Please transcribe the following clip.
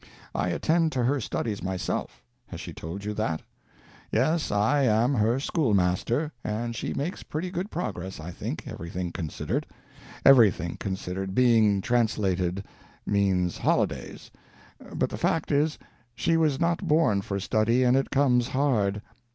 I attend to her studies myself; has she told you that? Yes, I am her school master, and she makes pretty good progress, I think, everything considered. Everything considered—being translated—means holidays. But the fact is, she was not born for study, and it comes hard.